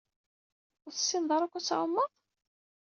Ur tessineḍ ara akk ad tɛumeḍ?